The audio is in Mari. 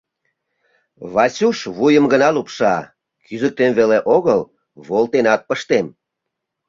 Васюш вуйым гына лупша: кӱзыктем веле огыл, волтенат пыштем.